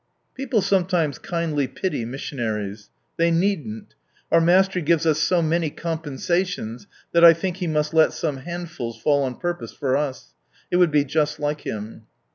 People sometimes kindly pity missionaries. They needn't ! Our Master gives us so many compensations that I think He must let some handfuls fall on purpose for us. It would be just like Him.